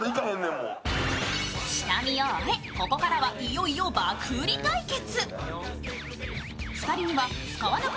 下見を終え、ここからはいよいよ爆売り対決。